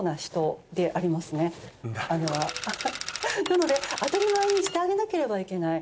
なので当たり前にしてあげなければいけない。